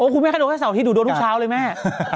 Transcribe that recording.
คุณแม่ก็โดนแค่เสาร์อาทิตย์หนูโดนทุกเช้าเลยแม่